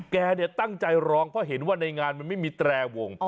แกตั้งใจร้องเพราะเห็นว่าในงานมันไม่มีแตรวง